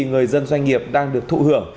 người dân doanh nghiệp đang được thụ hưởng